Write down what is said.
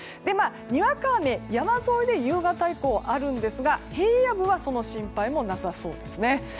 にわか雨、山沿いで夕方以降にあるんですが平野部はその心配もなさそうですね。